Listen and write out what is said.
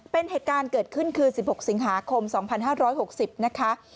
เป็นเหตุการณ์เกิดขึ้นคือ๑๖สิงหาคม๒๕๖๐นะคะ